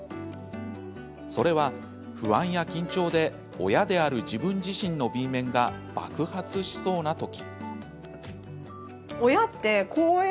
それは不安や緊張で親である自分自身のＢ面が爆発しそうな時。